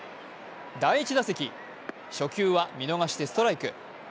第１打席、初球は見逃してストライク。